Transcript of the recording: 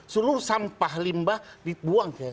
seluruh sampah limbah dibuang ke pasulun satu